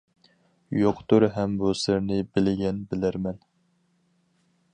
يوقتۇر ھەم بۇ سىرنى بىلگەن بىلەرمەن.